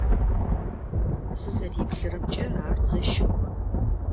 Сызэреплъырэмкӏэ ар зэщыгъо.